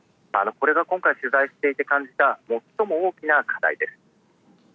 これが今回、取材していて感じた、最も大きな課題です。